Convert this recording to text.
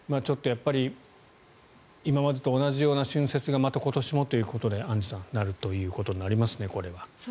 今までと同じような春節がまた今年もということにアンジュさん、なるということになりますね、これは。